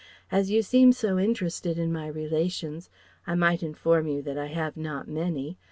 As you seem so interested in my relations, I might inform you that I have not many.